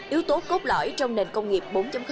yếu tố cốt lõi trong nền công nghiệp bốn